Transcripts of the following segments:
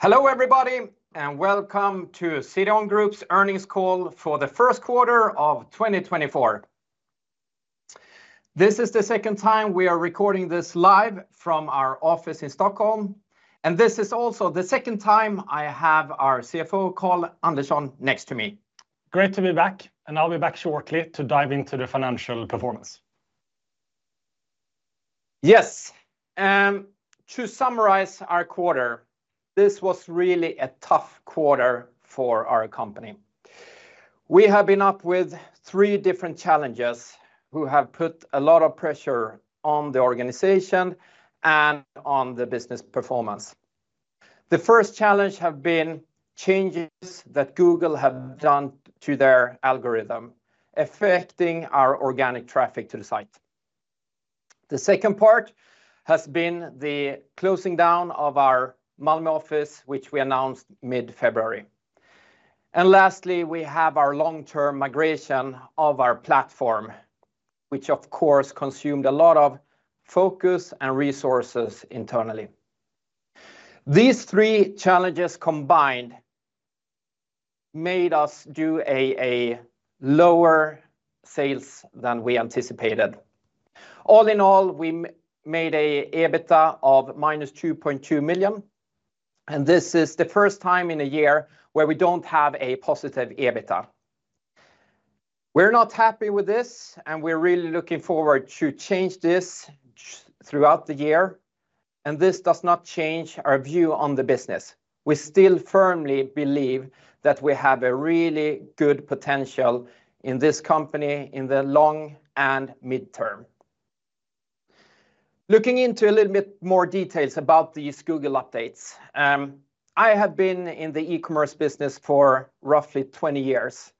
Hello everybody, and welcome to CDON Group's earnings call for the first quarter of 2024. This is the second time we are recording this live from our office in Stockholm, and this is also the second time I have our CFO Carl Andersson next to me. Great to be back, and I'll be back shortly to dive into the financial performance. Yes, to summarize our quarter, this was really a tough quarter for our company. We have been up with three different challenges who have put a lot of pressure on the organization and on the business performance. The first challenge has been changes that Google have done to their algorithm affecting our organic traffic to the site. The second part has been the closing down of our Malmö office, which we announced mid-February. And lastly, we have our long-term migration of our platform, which of course consumed a lot of focus and resources internally. These three challenges combined made us do a lower sales than we anticipated. All in all, we made an EBITDA of -2.2 million, and this is the first time in a year where we don't have a positive EBITDA. We're not happy with this, and we're really looking forward to change this throughout the year, and this does not change our view on the business. We still firmly believe that we have a really good potential in this company in the long and mid-term. Looking into a little bit more details about these Google updates, I have been in the e-commerce business for roughly 20 years,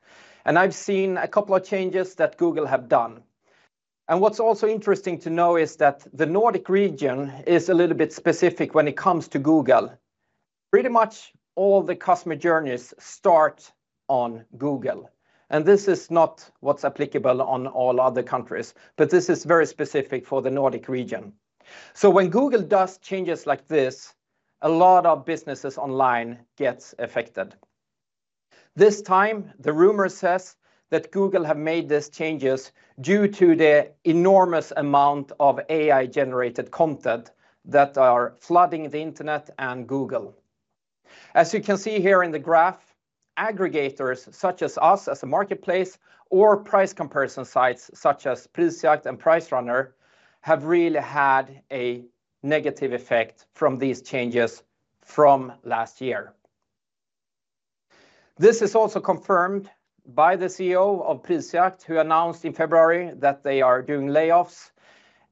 and I've seen a couple of changes that Google have done. What's also interesting to know is that the Nordic region is a little bit specific when it comes to Google. Pretty much all the customer journeys start on Google, and this is not what's applicable on all other countries, but this is very specific for the Nordic region. So when Google does changes like this, a lot of businesses online get affected. This time, the rumor says that Google have made these changes due to the enormous amount of AI-generated content that are flooding the internet and Google. As you can see here in the graph, aggregators such as us as a marketplace or price comparison sites such as Prisjakt and PriceRunner have really had a negative effect from these changes from last year. This is also confirmed by the CEO of Prisjakt, who announced in February that they are doing layoffs,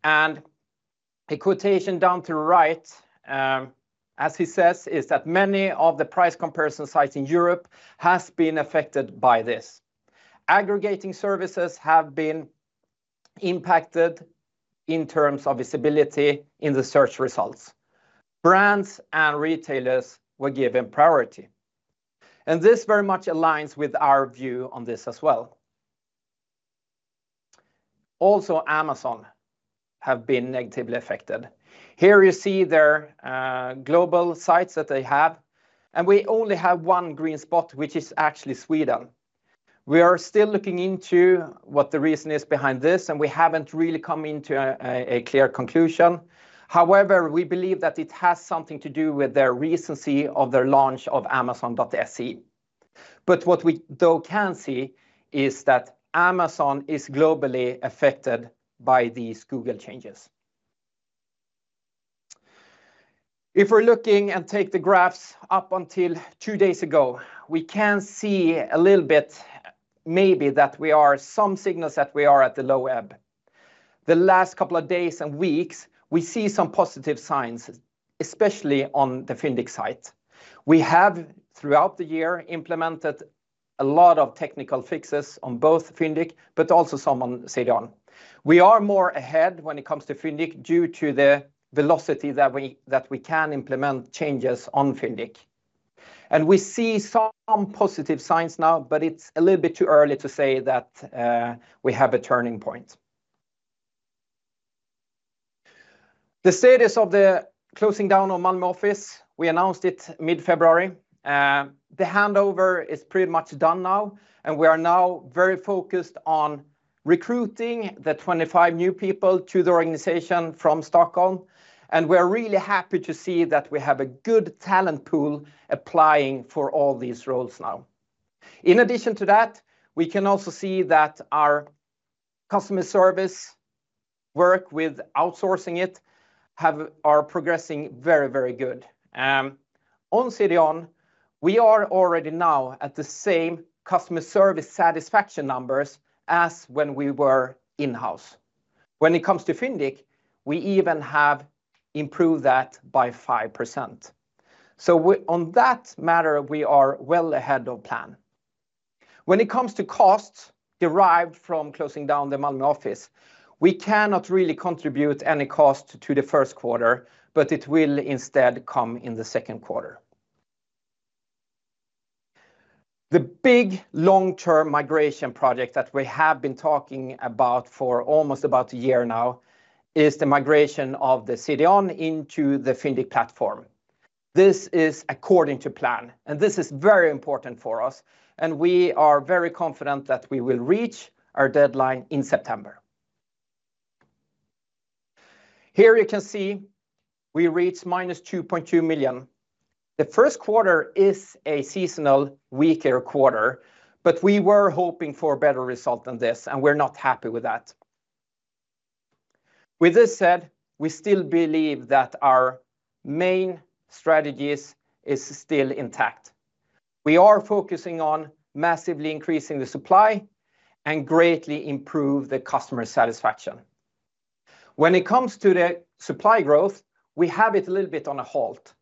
and a quotation down to the right, as he says, is that many of the price comparison sites in Europe have been affected by this. Aggregating services have been impacted in terms of visibility in the search results. Brands and retailers were given priority, and this very much aligns with our view on this as well. Also, Amazon has been negatively affected. Here you see their global sites that they have, and we only have one green spot, which is actually Sweden. We are still looking into what the reason is behind this, and we haven't really come into a clear conclusion. However, we believe that it has something to do with their recency of their launch of Amazon.se. But what we though can see is that Amazon is globally affected by these Google changes. If we're looking and take the graphs up until two days ago, we can see a little bit maybe that we are some signals that we are at the low ebb. The last couple of days and weeks, we see some positive signs, especially on the Fyndiq site. We have throughout the year implemented a lot of technical fixes on both Fyndiq, but also some on CDON. We are more ahead when it comes to Fyndiq due to the velocity that we can implement changes on Fyndiq. We see some positive signs now, but it's a little bit too early to say that we have a turning point. The status of the closing down of Malmö office, we announced it mid-February. The handover is pretty much done now, and we are now very focused on recruiting the 25 new people to the organization from Stockholm, and we are really happy to see that we have a good talent pool applying for all these roles now. In addition to that, we can also see that our customer service work with outsourcing it are progressing very, very good. On CDON, we are already now at the same customer service satisfaction numbers as when we were in-house. When it comes to Fyndiq, we even have improved that by 5%. So on that matter, we are well ahead of plan. When it comes to costs derived from closing down the Malmö office, we cannot really contribute any cost to the first quarter, but it will instead come in the second quarter. The big long-term migration project that we have been talking about for almost about a year now is the migration of the CDON into the Fyndiq platform. This is according to plan, and this is very important for us, and we are very confident that we will reach our deadline in September. Here you can see we reached -2.2 million. The first quarter is a seasonal, weaker quarter, but we were hoping for a better result than this, and we're not happy with that. With this said, we still believe that our main strategies are still intact. We are focusing on massively increasing the supply and greatly improving the customer satisfaction. When it comes to the supply growth, we have it a little bit on a halt,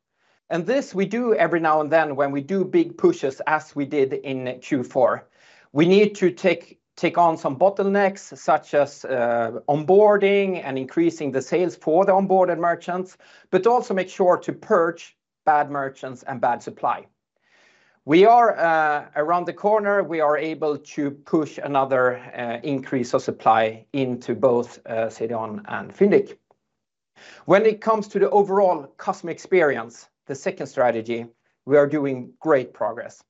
and this we do every now and then when we do big pushes as we did in Q4. We need to take on some bottlenecks such as onboarding and increasing the sales for the onboarded merchants, but also make sure to purge bad merchants and bad supply. We are around the corner. We are able to push another increase of supply into both CDON and Fyndiq. When it comes to the overall customer experience, the second strategy, we are doing great progress.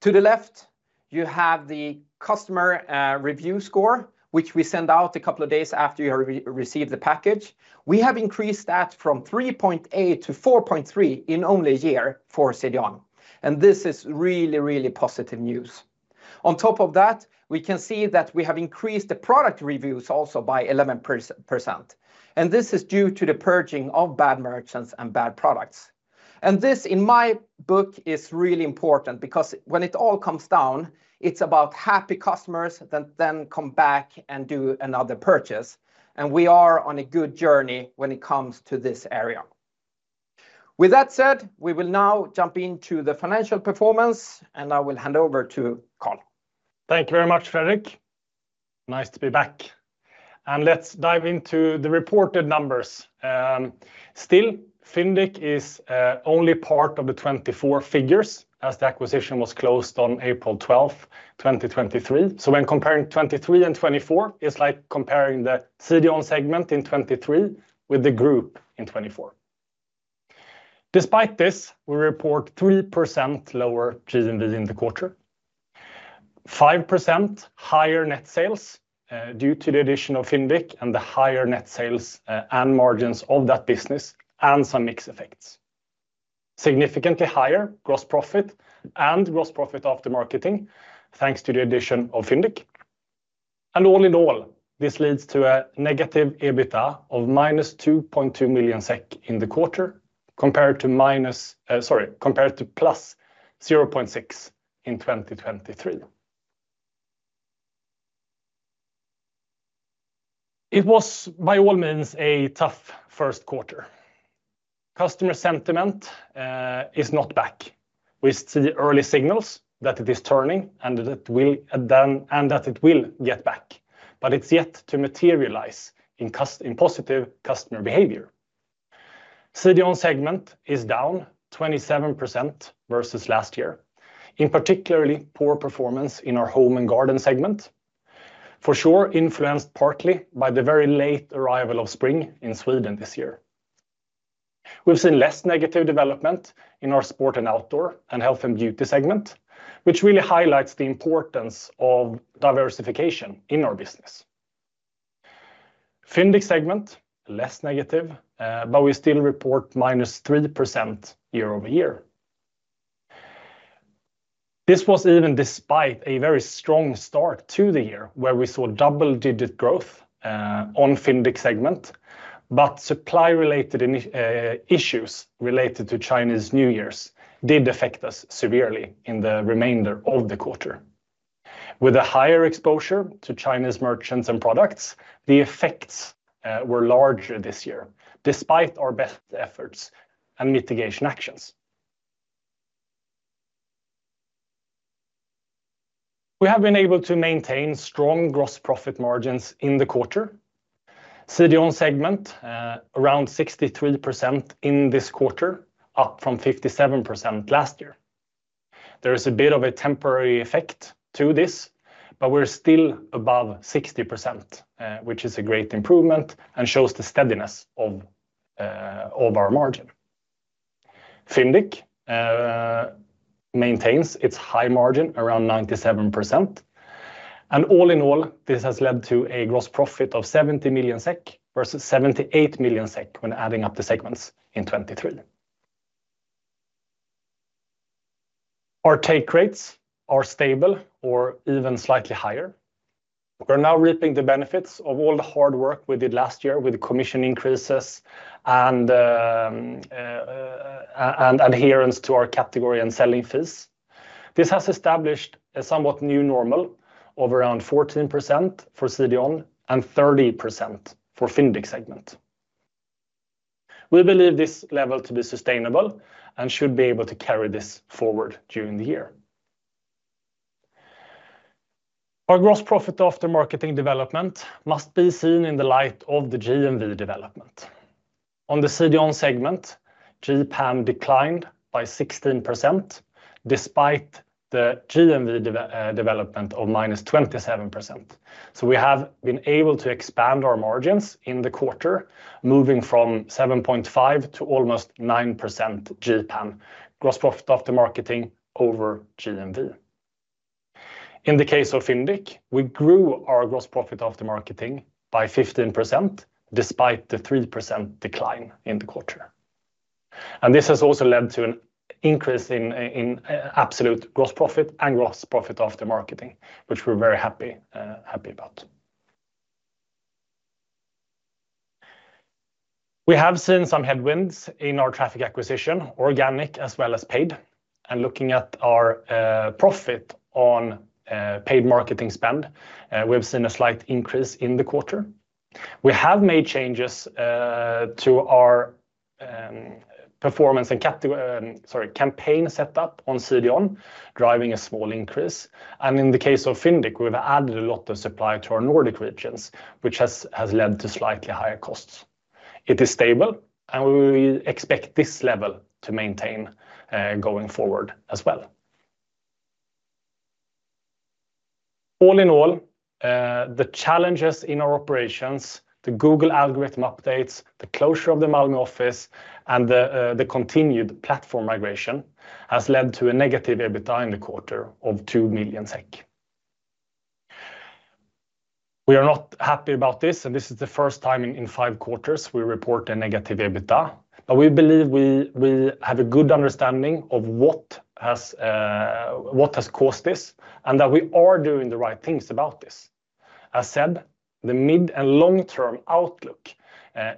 To the left, you have the customer review score, which we send out a couple of days after you have received the package. We have increased that from 3.8 to 4.3 in only a year for CDON, and this is really, really positive news. On top of that, we can see that we have increased the product reviews also by 11%, and this is due to the purging of bad merchants and bad products. This, in my book, is really important because when it all comes down, it's about happy customers that then come back and do another purchase, and we are on a good journey when it comes to this area. With that said, we will now jump into the financial performance, and I will hand over to Carl. Thank you very much, Fredrik. Nice to be back, and let's dive into the reported numbers. Still, Fyndiq is only part of the 2024 figures as the acquisition was closed on April 12, 2023. So when comparing 2023 and 2024, it's like comparing the CDON segment in 2023 with the group in 2024. Despite this, we report 3% lower GMV in the quarter, 5% higher net sales due to the addition of Fyndiq and the higher net sales and margins of that business and some mixed effects, significantly higher gross profit and gross profit after marketing thanks to the addition of Fyndiq. And all in all, this leads to a negative EBITDA of -2.2 million SEK in the quarter compared to minus sorry, compared to +0.6 million in 2023. It was by all means a tough first quarter. Customer sentiment is not back. We see early signals that it is turning and that it will get back, but it's yet to materialize in positive customer behavior. CDON segment is down 27% versus last year, in particularly poor performance in our home and garden segment, for sure influenced partly by the very late arrival of spring in Sweden this year. We've seen less negative development in our sport and outdoor and health and beauty segment, which really highlights the importance of diversification in our business. Fyndiq segment, less negative, but we still report -3% year-over-year. This was even despite a very strong start to the year where we saw double-digit growth on Fyndiq segment, but supply-related issues related to Chinese New Year's did affect us severely in the remainder of the quarter. With a higher exposure to Chinese merchants and products, the effects were larger this year despite our best efforts and mitigation actions. We have been able to maintain strong gross profit margins in the quarter. CDON segment around 63% in this quarter, up from 57% last year. There is a bit of a temporary effect to this, but we're still above 60%, which is a great improvement and shows the steadiness of our margin. Fyndiq maintains its high margin around 97%, and all in all, this has led to a gross profit of 70 million SEK versus 78 million SEK when adding up the segments in 2023. Our take rates are stable or even slightly higher. We're now reaping the benefits of all the hard work we did last year with commission increases and adherence to our category and selling fees. This has established a somewhat new normal of around 14% for CDON and 30% for Fyndiq segment. We believe this level to be sustainable and should be able to carry this forward during the year. Our gross profit after marketing development must be seen in the light of the GMV development. On the CDON segment, GPAM declined by 16% despite the GMV development of -27%. So we have been able to expand our margins in the quarter, moving from 7.5% to almost 9% GPAM, gross profit after marketing over GMV. In the case of Fyndiq, we grew our gross profit after marketing by 15% despite the 3% decline in the quarter. This has also led to an increase in absolute gross profit and gross profit after marketing, which we're very happy about. We have seen some headwinds in our traffic acquisition, organic as well as paid, and looking at our profit on paid marketing spend, we've seen a slight increase in the quarter. We have made changes to our performance and campaign setup on CDON, driving a small increase. In the case of Fyndiq, we've added a lot of supply to our Nordic regions, which has led to slightly higher costs. It is stable, and we expect this level to maintain going forward as well. All in all, the challenges in our operations, the Google algorithm updates, the closure of the Malmö office, and the continued platform migration have led to a negative EBITDA in the quarter of 2 million SEK. We are not happy about this, and this is the first time in five quarters we report a negative EBITDA, but we believe we have a good understanding of what has caused this and that we are doing the right things about this. As said, the mid and long-term outlook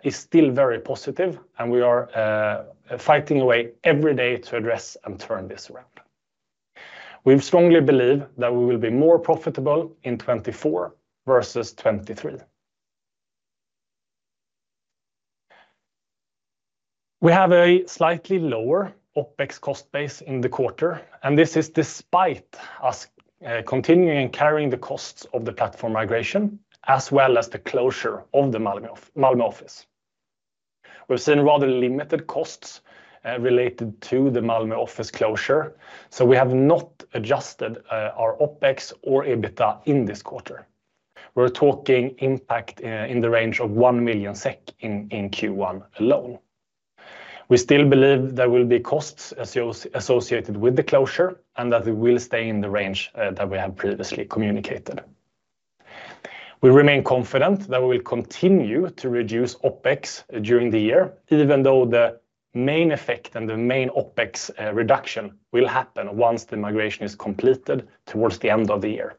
is still very positive, and we are fighting away every day to address and turn this around. We strongly believe that we will be more profitable in 2024 versus 2023. We have a slightly lower OpEx cost base in the quarter, and this is despite us continuing and carrying the costs of the platform migration as well as the closure of the Malmö office. We've seen rather limited costs related to the Malmö office closure, so we have not adjusted our OpEx or EBITDA in this quarter. We're talking impact in the range of 1 million SEK in Q1 alone. We still believe there will be costs associated with the closure and that it will stay in the range that we have previously communicated. We remain confident that we will continue to reduce OpEx during the year, even though the main effect and the main OpEx reduction will happen once the migration is completed towards the end of the year.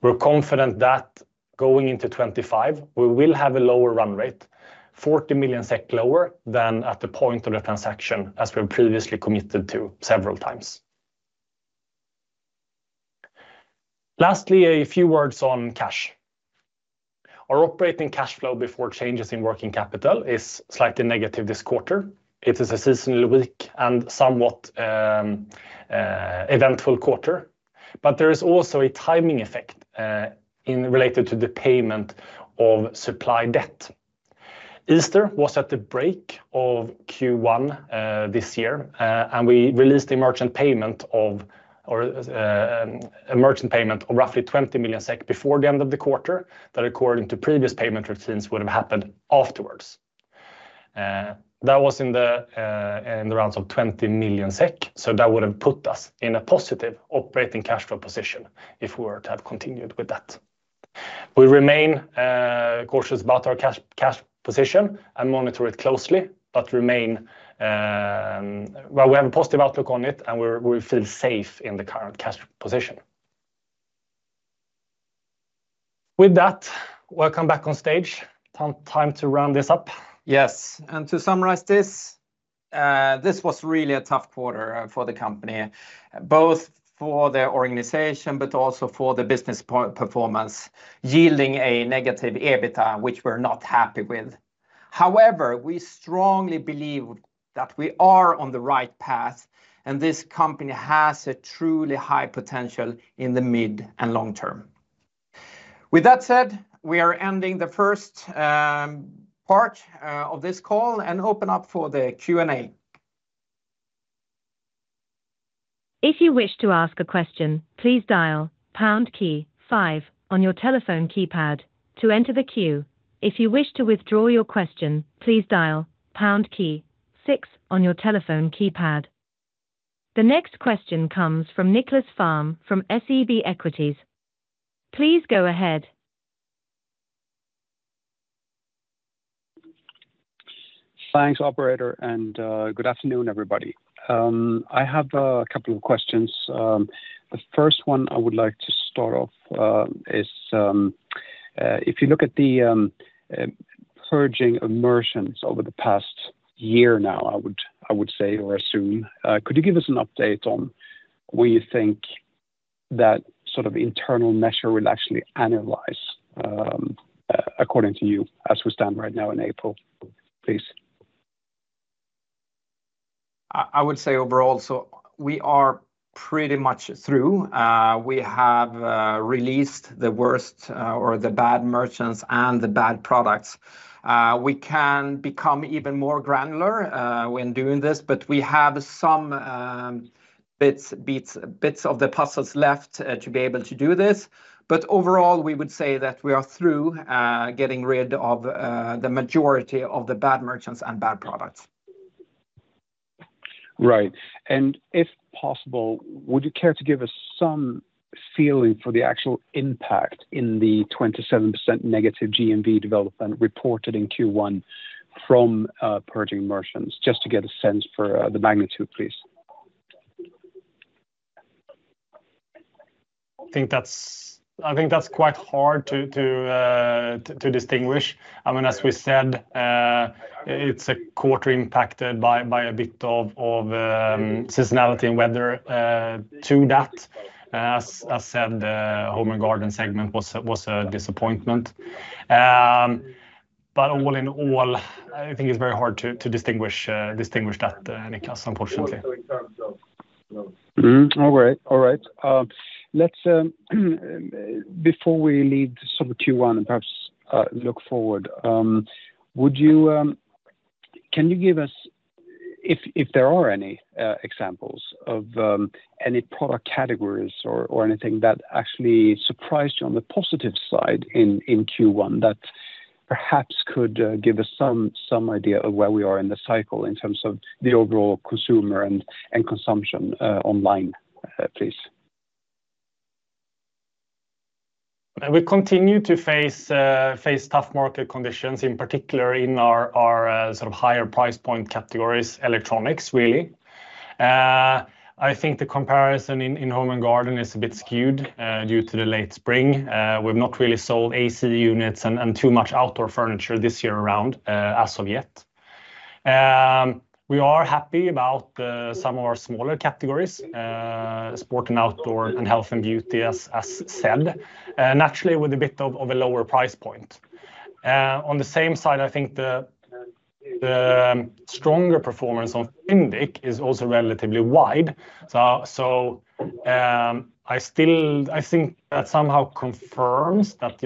We're confident that going into 2025, we will have a lower run rate, 40 million SEK lower than at the point of the transaction as we have previously committed to several times. Lastly, a few words on cash. Our operating cash flow before changes in working capital is slightly negative this quarter. It is a seasonal weak and somewhat eventful quarter, but there is also a timing effect related to the payment of supply debt. Easter was at the break of Q1 this year, and we released a merchant payment of roughly 20 million SEK before the end of the quarter that, according to previous payment routines, would have happened afterwards. That was in the rounds of 20 million SEK, so that would have put us in a positive operating cash flow position if we were to have continued with that. We remain cautious about our cash position and monitor it closely, but we have a positive outlook on it, and we feel safe in the current cash position. With that, welcome back on stage. Time to round this up. Yes, and to summarize this, this was really a tough quarter for the company, both for the organization but also for the business performance, yielding a negative EBITDA, which we're not happy with. However, we strongly believe that we are on the right path, and this company has a truly high potential in the mid and long term. With that said, we are ending the first part of this call and open up for the Q&A. If you wish to ask a question, please dial pound key five on your telephone keypad to enter the queue. If you wish to withdraw your question, please dial pound key six on your telephone keypad. The next question comes from Nicklas Fhärm from SEB Equities. Please go ahead. Thanks, operator, and good afternoon, everybody. I have a couple of questions. The first one I would like to start off is, if you look at the purging of merchants over the past year now, I would say or assume, could you give us an update on where you think that sort of internal measure will actually analyze, according to you, as we stand right now in April, please? I would say overall, so we are pretty much through. We have released the worst or the bad merchants and the bad products. We can become even more granular when doing this, but we have some bits of the puzzles left to be able to do this. But overall, we would say that we are through getting rid of the majority of the bad merchants and bad products. Right, and if possible, would you care to give us some feeling for the actual impact in the 27% negative GMV development reported in Q1 from purging merchants, just to get a sense for the magnitude, please? I think that's quite hard to distinguish. I mean, as we said, it's a quarter impacted by a bit of seasonality and weather to that. As said, home and garden segment was a disappointment. But all in all, I think it's very hard to distinguish that, Nicklas, unfortunately. All right, all right. Before we leave sort of Q1 and perhaps look forward, can you give us, if there are any examples of any product categories or anything that actually surprised you on the positive side in Q1 that perhaps could give us some idea of where we are in the cycle in terms of the overall consumer and consumption online, please? We continue to face tough market conditions, in particular in our sort of higher price point categories, electronics, really. I think the comparison in home and garden is a bit skewed due to the late spring. We've not really sold AC units and too much outdoor furniture this year around as of yet. We are happy about some of our smaller categories, sport and outdoor and health and beauty, as said, naturally with a bit of a lower price point. On the same side, I think the stronger performance on Fyndiq is also relatively wide. So I think that somehow confirms that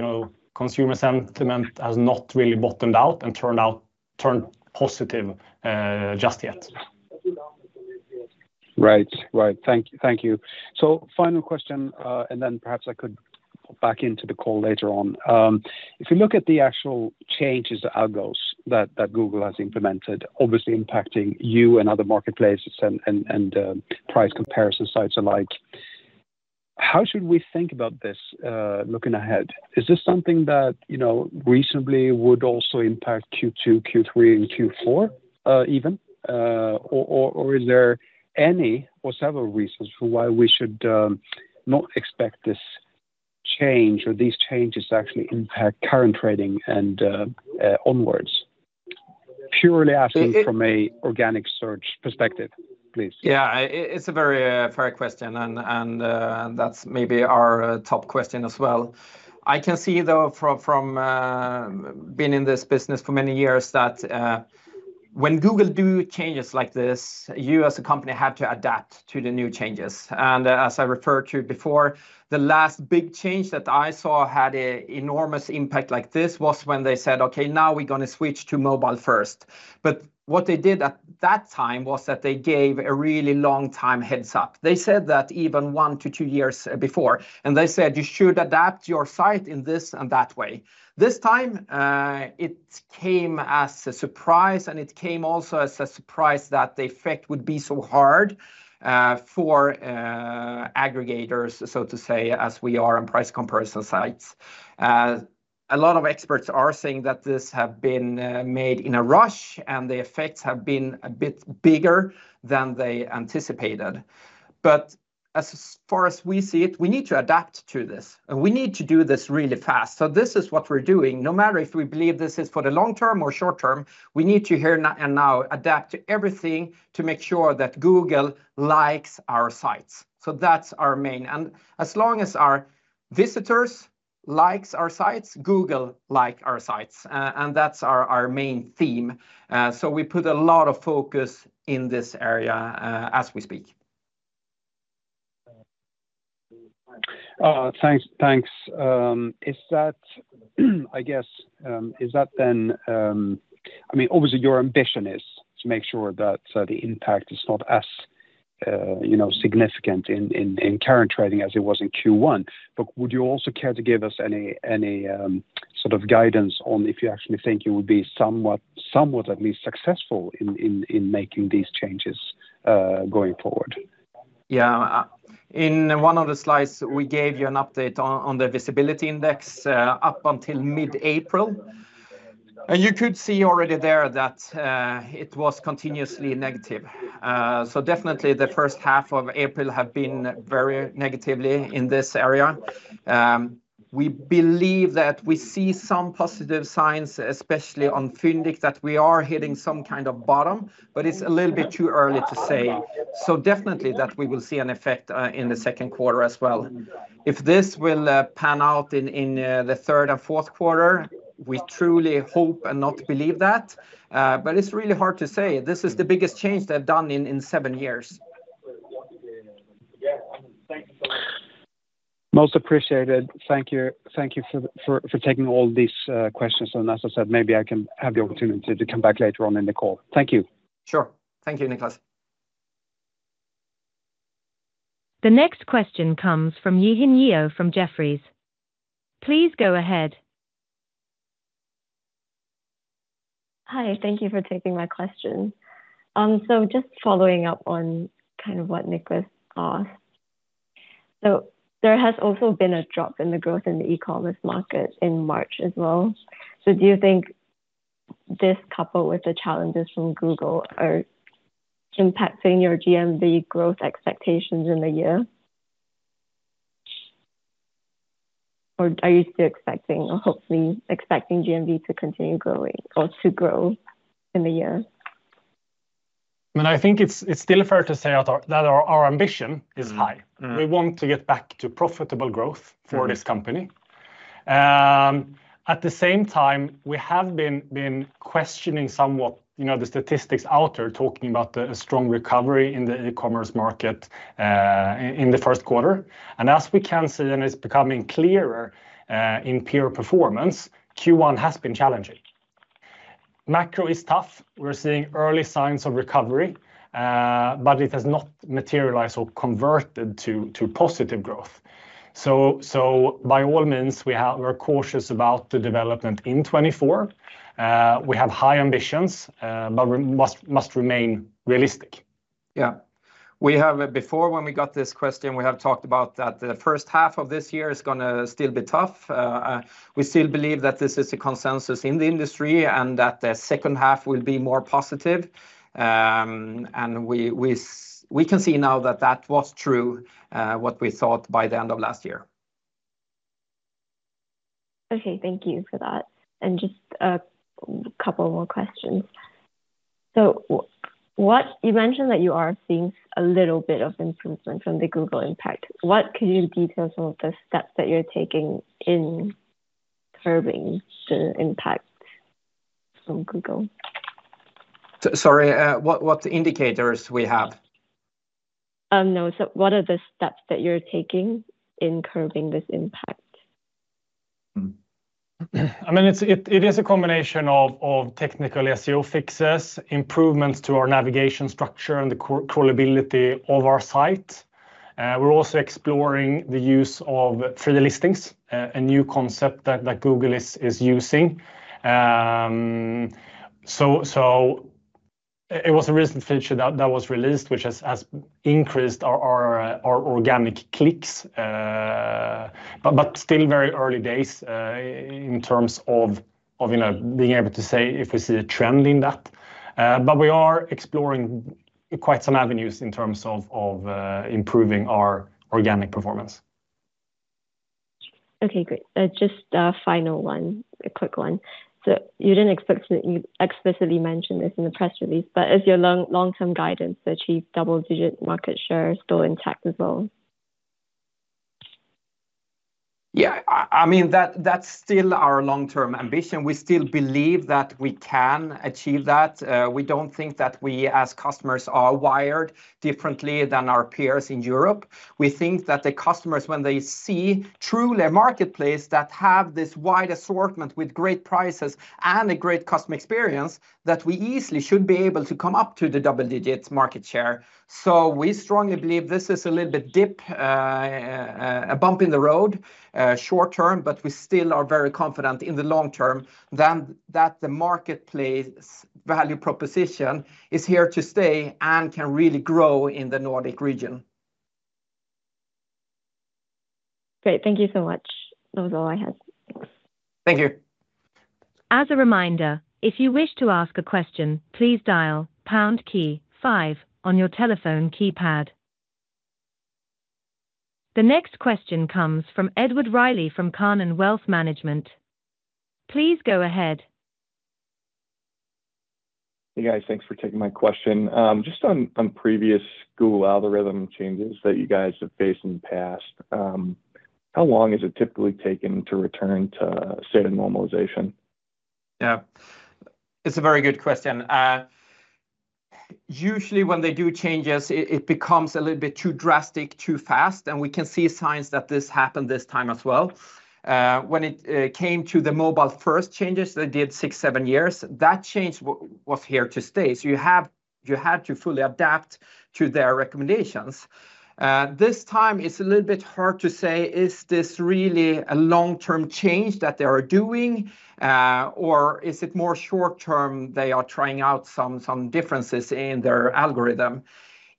consumer sentiment has not really bottomed out and turned positive just yet. Right, right. Thank you. So final question, and then perhaps I could pop back into the call later on. If you look at the actual changes to algos that Google has implemented, obviously impacting you and other marketplaces and price comparison sites alike, how should we think about this looking ahead? Is this something that recently would also impact Q2, Q3, and Q4 even, or is there any or several reasons for why we should not expect this change or these changes to actually impact current trading and onwards? Purely asking from an organic search perspective, please. Yeah, it's a fair question, and that's maybe our top question as well. I can see, though, from being in this business for many years that when Google do changes like this, you as a company have to adapt to the new changes. As I referred to before, the last big change that I saw had an enormous impact like this was when they said, "Okay, now we're going to switch to mobile first." But what they did at that time was that they gave a really long-time heads up. They said that even one to two years before, and they said, "You should adapt your site in this and that way." This time, it came as a surprise, and it came also as a surprise that the effect would be so hard for aggregators, so to say, as we are on price comparison sites. A lot of experts are saying that this has been made in a rush, and the effects have been a bit bigger than they anticipated. But as far as we see it, we need to adapt to this, and we need to do this really fast. So this is what we're doing. No matter if we believe this is for the long term or short term, we need to here and now adapt to everything to make sure that Google likes our sites. So that's our main. And as long as our visitors like our sites, Google likes our sites, and that's our main theme. So we put a lot of focus in this area as we speak. Thanks. I guess, is that then I mean, obviously, your ambition is to make sure that the impact is not as significant in current trading as it was in Q1, but would you also care to give us any sort of guidance on if you actually think you would be somewhat, at least, successful in making these changes going forward? Yeah, in one of the slides, we gave you an update on the visibility index up until mid-April, and you could see already there that it was continuously negative. So definitely, the first half of April has been very negatively in this area. We believe that we see some positive signs, especially on Fyndiq, that we are hitting some kind of bottom, but it's a little bit too early to say. So definitely that we will see an effect in the second quarter as well. If this will pan out in the third and fourth quarter, we truly hope and not believe that, but it's really hard to say. This is the biggest change they've done in seven years. Most appreciated. Thank you for taking all these questions. As I said, maybe I can have the opportunity to come back later on in the call. Thank you. Sure. Thank you, Nicklas. The next question comes from Yiheng You from Jefferies. Please go ahead. Hi, thank you for taking my question. So just following up on kind of what Nicklas asked. So there has also been a drop in the growth in the e-commerce market in March as well. So do you think this, coupled with the challenges from Google, are impacting your GMV growth expectations in the year? Or are you still expecting, or hopefully expecting, GMV to continue growing or to grow in the year? I mean, I think it's still fair to say that our ambition is high. We want to get back to profitable growth for this company. At the same time, we have been questioning somewhat the statistics out there, talking about a strong recovery in the e-commerce market in the first quarter. As we can see, and it's becoming clearer in peer performance, Q1 has been challenging. Macro is tough. We're seeing early signs of recovery, but it has not materialized or converted to positive growth. By all means, we are cautious about the development in 2024. We have high ambitions, but we must remain realistic. Yeah, before, when we got this question, we have talked about that the first half of this year is going to still be tough. We still believe that this is a consensus in the industry and that the second half will be more positive. And we can see now that that was true, what we thought, by the end of last year. Okay, thank you for that. Just a couple more questions. You mentioned that you are seeing a little bit of improvement from the Google impact. What could you detail some of the steps that you're taking in curbing the impact from Google? Sorry, what indicators we have? No, so what are the steps that you're taking in curbing this impact? I mean, it is a combination of technical SEO fixes, improvements to our navigation structure and the crawlability of our site. We're also exploring the use of free listings, a new concept that Google is using. So it was a recent feature that was released, which has increased our organic clicks, but still very early days in terms of being able to say if we see a trend in that. But we are exploring quite some avenues in terms of improving our organic performance. Okay, great. Just a final one, a quick one. So you didn't expect to explicitly mention this in the press release, but is your long-term guidance to achieve double-digit market share still intact as well? Yeah, I mean, that's still our long-term ambition. We still believe that we can achieve that. We don't think that we, as customers, are wired differently than our peers in Europe. We think that the customers, when they see truly a marketplace that has this wide assortment with great prices and a great customer experience, that we easily should be able to come up to the double-digit market share. So we strongly believe this is a little bit dip, a bump in the road short term, but we still are very confident in the long term that the marketplace value proposition is here to stay and can really grow in the Nordic region. Great, thank you so much. That was all I had. Thank you. As a reminder, if you wish to ask a question, please dial pound key five on your telephone keypad. The next question comes from Edward Riley from Cannon Wealth Management. Please go ahead. Hey, guys, thanks for taking my question. Just on previous Google algorithm changes that you guys have faced in the past, how long is it typically taken to return to state of normalization? Yeah, it's a very good question. Usually, when they do changes, it becomes a little bit too drastic, too fast, and we can see signs that this happened this time as well. When it came to the mobile-first changes they did six, seven years, that change was here to stay. So you had to fully adapt to their recommendations. This time, it's a little bit hard to say, is this really a long-term change that they are doing, or is it more short-term they are trying out some differences in their algorithm?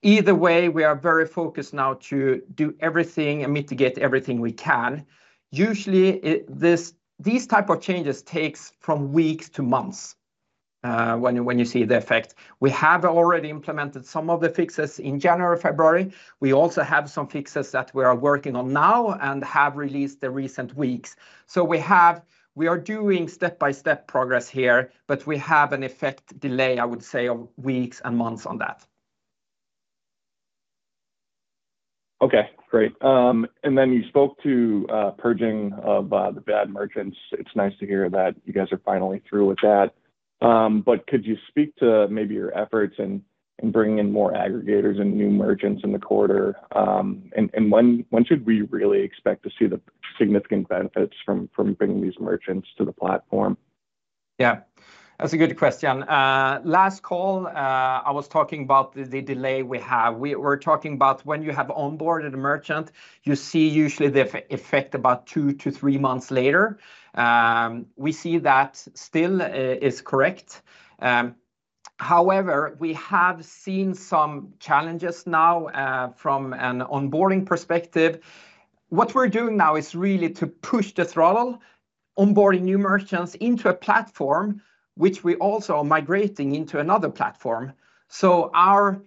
Either way, we are very focused now to do everything and mitigate everything we can. Usually, these types of changes take from weeks to months when you see the effect. We have already implemented some of the fixes in January, February. We also have some fixes that we are working on now and have released the recent weeks. We are doing step-by-step progress here, but we have an effect delay, I would say, of weeks and months on that. Okay, great. And then you spoke to purging of the bad merchants. It's nice to hear that you guys are finally through with that. But could you speak to maybe your efforts in bringing in more aggregators and new merchants in the quarter? And when should we really expect to see the significant benefits from bringing these merchants to the platform? Yeah, that's a good question. Last call, I was talking about the delay we have. We were talking about when you have onboarded a merchant, you see usually the effect about two to three months later. We see that still is correct. However, we have seen some challenges now from an onboarding perspective. What we're doing now is really to push the throttle, onboarding new merchants into a platform, which we also are migrating into another platform. So our,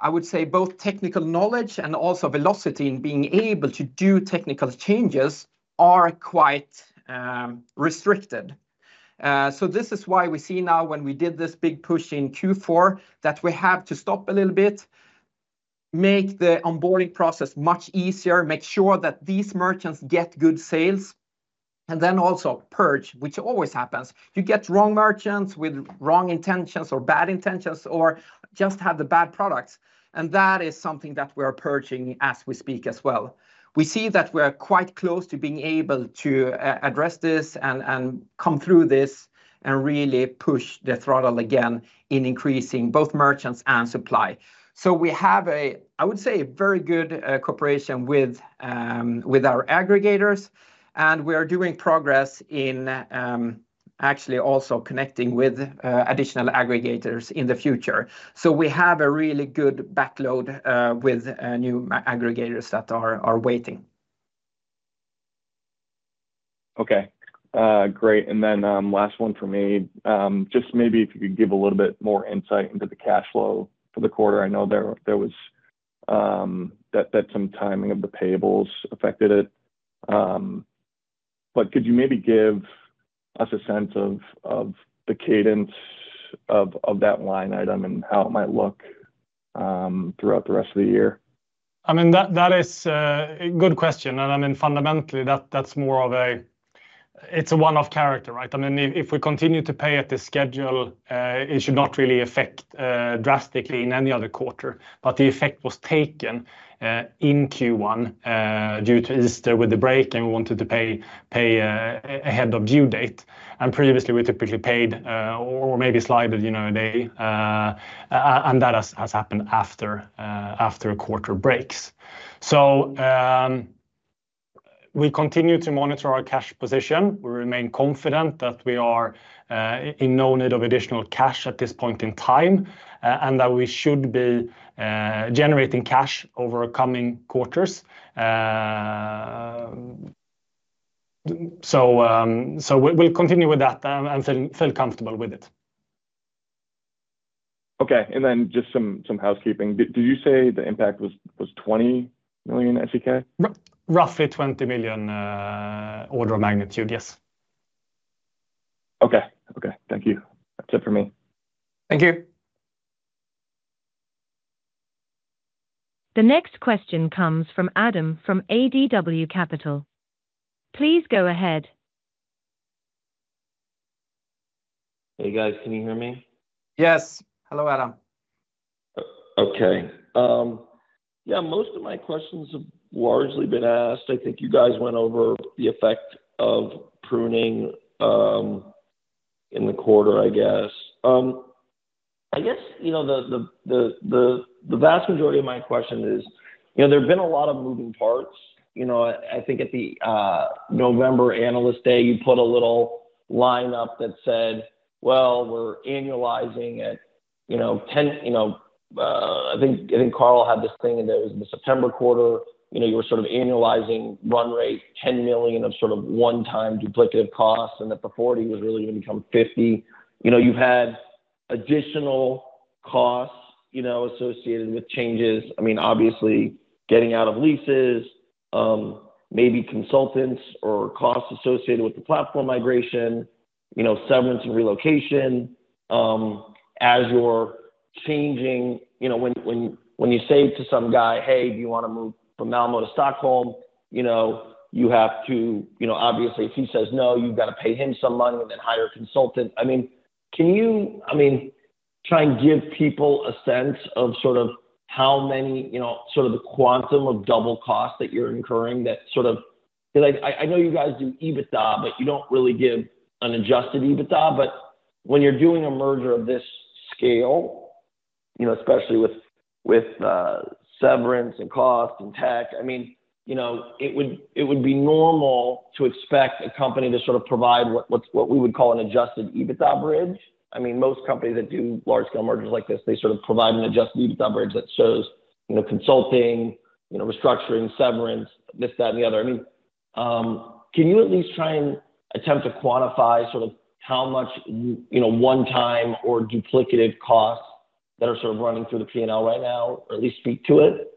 I would say, both technical knowledge and also velocity in being able to do technical changes are quite restricted. So this is why we see now when we did this big push in Q4 that we have to stop a little bit, make the onboarding process much easier, make sure that these merchants get good sales, and then also purge, which always happens. You get wrong merchants with wrong intentions or bad intentions or just have the bad products. And that is something that we are purging as we speak as well. We see that we are quite close to being able to address this and come through this and really push the throttle again in increasing both merchants and supply. So we have, I would say, a very good cooperation with our aggregators, and we are doing progress in actually also connecting with additional aggregators in the future. So we have a really good backlog with new aggregators that are waiting. Okay, great. And then last one for me, just maybe if you could give a little bit more insight into the cash flow for the quarter? I know there was that some timing of the payables affected it. But could you maybe give us a sense of the cadence of that line item and how it might look throughout the rest of the year? I mean, that is a good question. I mean, fundamentally, that's more of a it's a one-off character, right? I mean, if we continue to pay at this schedule, it should not really affect drastically in any other quarter. But the effect was taken in Q1 due to Easter with the break, and we wanted to pay ahead of due date. Previously, we typically paid or maybe slid a day. That has happened after a quarter break. We continue to monitor our cash position. We remain confident that we are in no need of additional cash at this point in time and that we should be generating cash over coming quarters. We'll continue with that and feel comfortable with it. Okay, and then just some housekeeping. Did you say the impact was 20 million SEK? Roughly 20 million order of magnitude, yes. Okay, okay, thank you. That's it for me. Thank you. The next question comes from Adam from ADW Capital. Please go ahead. Hey, guys, can you hear me? Yes. Hello, Adam. Okay. Yeah, most of my questions have largely been asked. I think you guys went over the effect of pruning in the quarter, I guess. I guess the vast majority of my question is there have been a lot of moving parts. I think at the November Analyst Day, you put a little line up that said, "Well, we're annualizing at 10 million." I think Carl had this thing that was in the September quarter. You were sort of annualizing run rate, 10 million of sort of one-time duplicative costs, and that the 40 million was really going to become 50 million. You've had additional costs associated with changes. I mean, obviously, getting out of leases, maybe consultants or costs associated with the platform migration, severance and relocation as you're changing. When you say to some guy, "Hey, do you want to move from Malmö to Stockholm?" you have to, obviously, if he says no, you've got to pay him some money and then hire a consultant. I mean, can you, I mean, try and give people a sense of sort of how many sort of the quantum of double costs that you're incurring that sort of because I know you guys do EBITDA, but you don't really give an adjusted EBITDA. But when you're doing a merger of this scale, especially with severance and cost and tech, I mean, it would be normal to expect a company to sort of provide what we would call an adjusted EBITDA bridge. I mean, most companies that do large-scale mergers like this, they sort of provide an adjusted EBITDA bridge that shows consulting, restructuring, severance, this, that, and the other. I mean, can you at least try and attempt to quantify sort of how much one-time or duplicative costs that are sort of running through the P&L right now, or at least speak to it?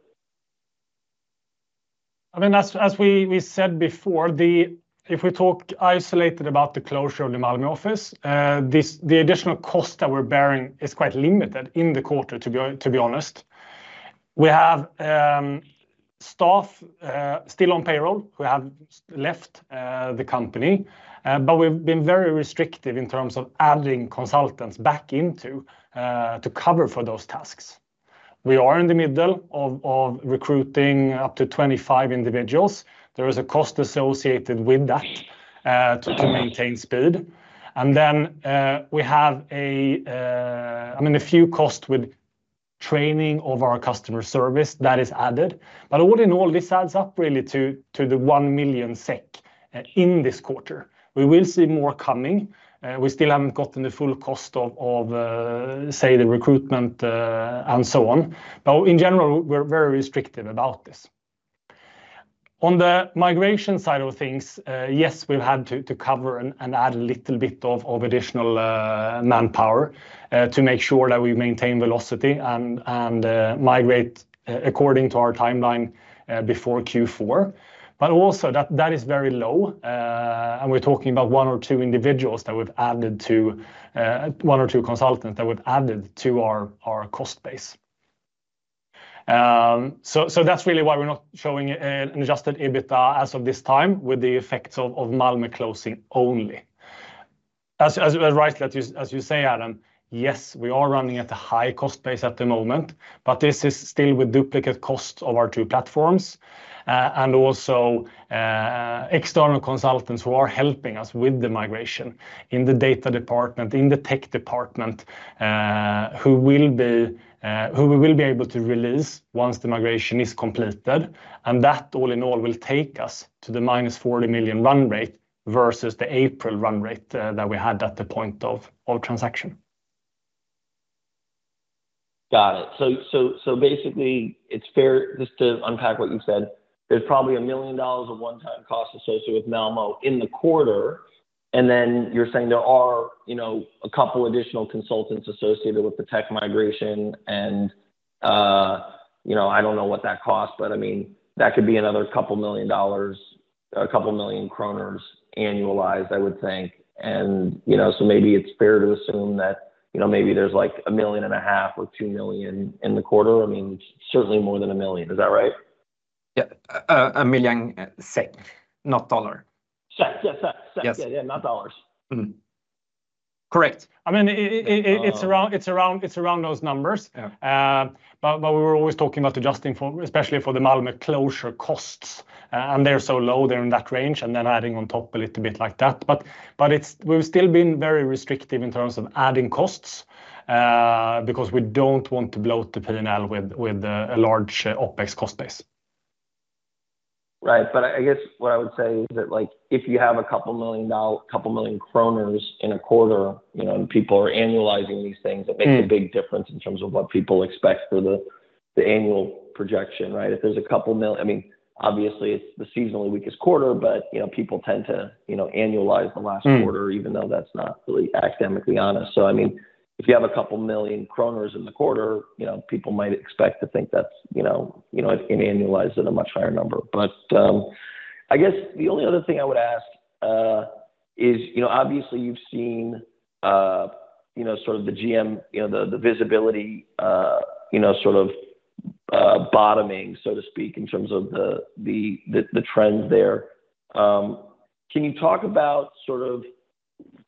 I mean, as we said before, if we talk isolated about the closure of the Malmö office, the additional cost that we're bearing is quite limited in the quarter, to be honest. We have staff still on payroll who have left the company, but we've been very restrictive in terms of adding consultants back into to cover for those tasks. We are in the middle of recruiting up to 25 individuals. There is a cost associated with that to maintain speed. And then we have, I mean, a few costs with training of our customer service that is added. But all in all, this adds up really to the 1 million SEK in this quarter. We will see more coming. We still haven't gotten the full cost of, say, the recruitment and so on. But in general, we're very restrictive about this. On the migration side of things, yes, we've had to cover and add a little bit of additional manpower to make sure that we maintain velocity and migrate according to our timeline before Q4. But also, that is very low. And we're talking about one or two individuals that we've added to one or two consultants that we've added to our cost base. So that's really why we're not showing an adjusted EBITDA as of this time with the effects of Malmö closing only. As rightly as you say, Adam, yes, we are running at a high cost base at the moment, but this is still with duplicate costs of our two platforms and also external consultants who are helping us with the migration in the data department, in the tech department, who we will be able to release once the migration is completed. That all in all will take us to the -40 million run rate versus the April run rate that we had at the point of transaction. Got it. So basically, it's fair just to unpack what you said. There's probably $1 million of one-time costs associated with Malmö in the quarter. And then you're saying there are a couple of additional consultants associated with the tech migration. And I don't know what that costs, but I mean, that could be another couple million dollars, a couple of million kronas annualized, I would think. And so maybe it's fair to assume that maybe there's like 1.5 million or 2 million in the quarter. I mean, certainly more than 1 million. Is that right? Yeah, 1 million SEK, not dollar. SEK, yeah, SEK, SEK, yeah, yeah, not dollars. Correct. I mean, it's around those numbers. But we were always talking about adjusting, especially for the Malmö closure costs. And they're so low, they're in that range, and then adding on top a little bit like that. But we've still been very restrictive in terms of adding costs because we don't want to bloat the P&L with a large OpEx cost base. Right. But I guess what I would say is that if you have a couple million dollars, a couple million kronas in a quarter, and people are annualizing these things, it makes a big difference in terms of what people expect for the annual projection, right? If there's a couple million, I mean, obviously, it's the seasonally weakest quarter, but people tend to annualize the last quarter, even though that's not really academically honest. So I mean, if you have a couple million kronas in the quarter, people might expect to think that's annualized at a much higher number. But I guess the only other thing I would ask is, obviously, you've seen sort of the GM, the visibility sort of bottoming, so to speak, in terms of the trends there. Can you talk about sort of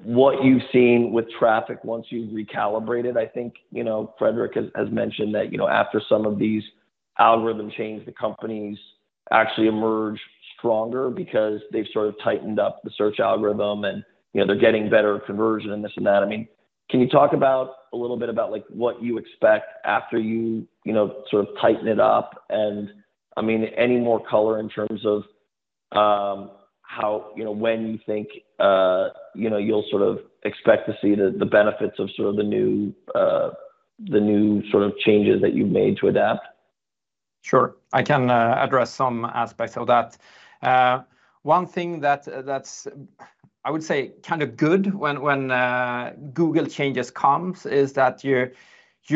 what you've seen with traffic once you've recalibrated? I think Fredrik has mentioned that after some of these algorithm changes, the companies actually emerge stronger because they've sort of tightened up the search algorithm, and they're getting better conversion and this and that. I mean, can you talk a little bit about what you expect after you sort of tighten it up? And I mean, any more color in terms of when you think you'll sort of expect to see the benefits of sort of the new sort of changes that you've made to adapt? Sure. I can address some aspects of that. One thing that's, I would say, kind of good when Google changes comes is that you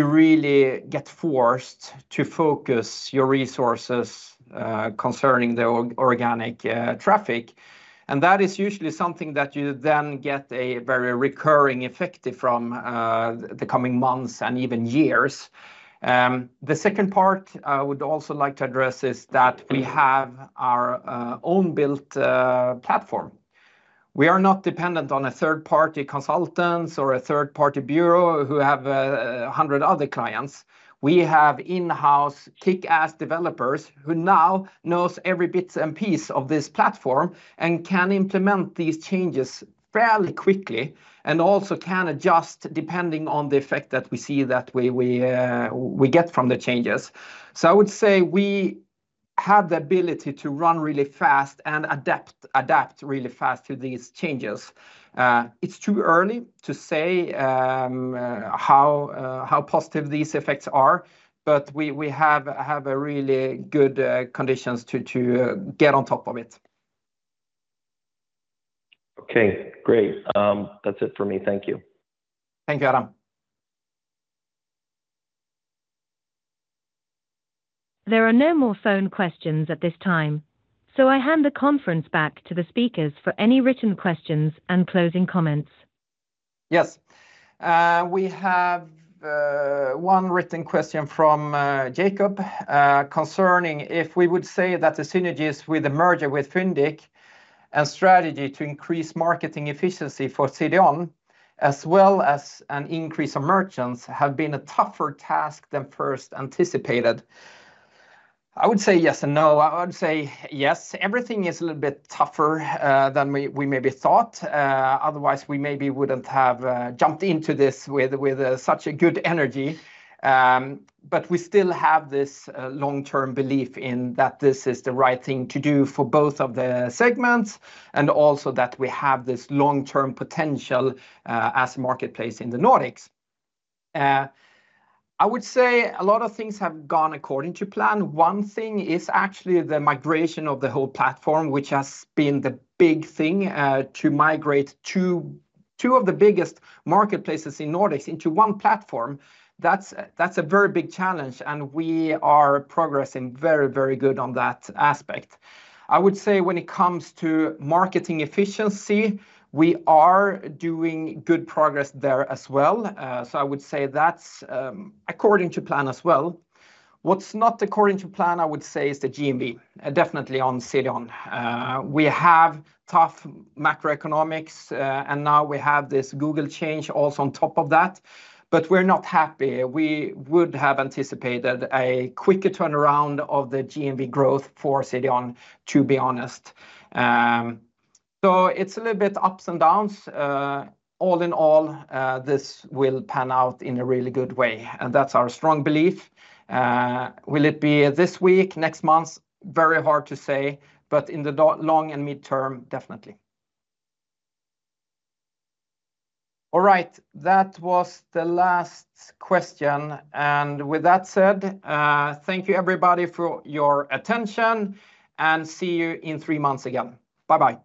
really get forced to focus your resources concerning the organic traffic. And that is usually something that you then get a very recurring effect from the coming months and even years. The second part I would also like to address is that we have our own-built platform. We are not dependent on a third-party consultant or a third-party bureau who have 100 other clients. We have in-house kick-ass developers who now know every bit and piece of this platform and can implement these changes fairly quickly and also can adjust depending on the effect that we see that we get from the changes. So I would say we have the ability to run really fast and adapt really fast to these changes. It's too early to say how positive these effects are, but we have really good conditions to get on top of it. Okay, great. That's it for me. Thank you. Thank you, Adam. There are no more phone questions at this time. I hand the conference back to the speakers for any written questions and closing comments. Yes. We have one written question from Jacob concerning if we would say that the synergies with the merger with Fyndiq and strategy to increase marketing efficiency for CDON, as well as an increase of merchants, have been a tougher task than first anticipated. I would say yes and no. I would say yes. Everything is a little bit tougher than we maybe thought. Otherwise, we maybe wouldn't have jumped into this with such a good energy. But we still have this long-term belief in that this is the right thing to do for both of the segments and also that we have this long-term potential as a marketplace in the Nordics. I would say a lot of things have gone according to plan. One thing is actually the migration of the whole platform, which has been the big thing, to migrate two of the biggest marketplaces in Nordics into one platform. That's a very big challenge. And we are progressing very, very good on that aspect. I would say when it comes to marketing efficiency, we are doing good progress there as well. So I would say that's according to plan as well. What's not according to plan, I would say, is the GMV, definitely on CDON. We have tough macroeconomics, and now we have this Google change also on top of that. But we're not happy. We would have anticipated a quicker turnaround of the GMV growth for CDON, to be honest. So it's a little bit ups and downs. All in all, this will pan out in a really good way. And that's our strong belief. Will it be this week, next month? Very hard to say. But in the long and mid-term, definitely. All right. That was the last question. And with that said, thank you, everybody, for your attention. And see you in three months again. Bye-bye.